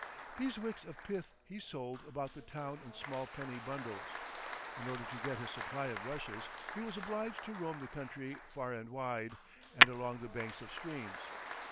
These wicks of pith he sold about the town in small penny bundles. In order to get his supply of rushes he was obliged to roam the country far and wide, and along the banks of streams.